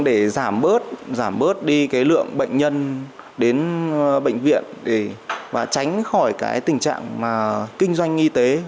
để giảm bớt giảm bớt đi cái lượng bệnh nhân đến bệnh viện và tránh khỏi cái tình trạng mà kinh doanh y tế